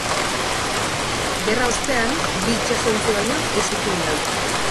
Gerra ostean, bi itsasontzi baino ez zituen galdu.